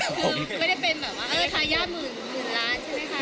ไม่ได้เป็นแบบว่าเออค่ะญาติหมื่นล้านใช่ไหมคะ